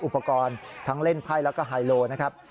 อุปกรณ์ทั้งเล่นไพ่แล้วก็ไฮโลนะครับ